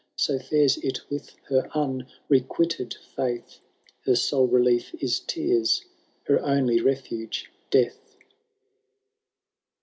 So fines it with her unrequited fiiith^^ Her sole relief is tears— her only refnge death.